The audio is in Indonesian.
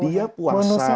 dia puasa misalnya